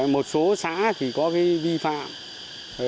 một số xã thì có vi phạm